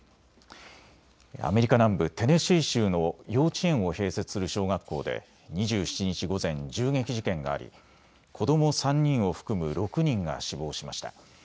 アメリカ南部テネシー州の幼稚園を併設する小学校で２７日午前、銃撃事件があり子ども３人を含む６人が死亡しました。